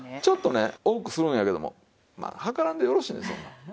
ちょっとね多くするんやけどもまあ量らんでよろしいんですわ。